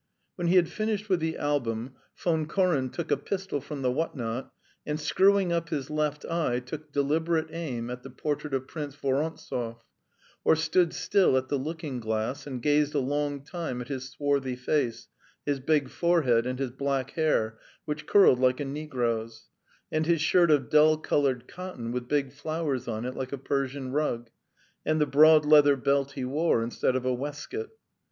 When he had finished with the album, Von Koren took a pistol from the whatnot, and screwing up his left eye, took deliberate aim at the portrait of Prince Vorontsov, or stood still at the looking glass and gazed a long time at his swarthy face, his big forehead, and his black hair, which curled like a negro's, and his shirt of dull coloured cotton with big flowers on it like a Persian rug, and the broad leather belt he wore instead of a waistcoat.